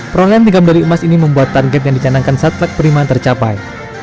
perolahan tinggal dari emas ini membuat target yang dicanangkan satlak perimahan tercapai